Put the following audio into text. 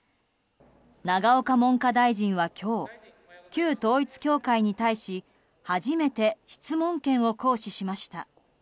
永岡文科大臣は今日旧統一教会に対し初めて質問権を行使しました。